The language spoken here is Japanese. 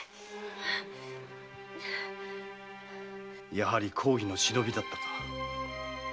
やはり公儀の忍びだったか。